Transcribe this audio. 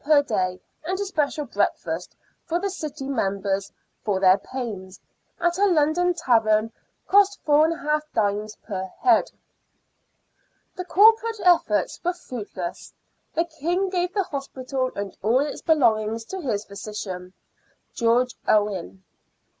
per day, and a special breakfast for the city members " for their pains," at a London tavern, cost 4|d. per head. The corporate efforts were fruitless, the King giving the Hospital and all its belongings to his physician, George Owen.